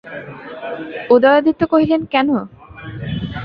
উদয়াদিত্য কহিলেন, কেন?